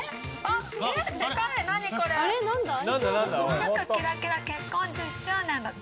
祝・キラキラ結婚１０周年だって。